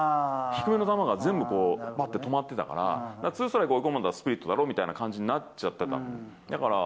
低めの球が全部、バット止まってたから、ツーストライク追い込んだらスプリットだろうみたいな感じになっちゃってたから。